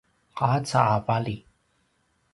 qaca a vali